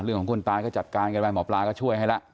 เรื่องของคุณปลาก็จัดการกันไหมหมอปลาก็ช่วยให้แล้ว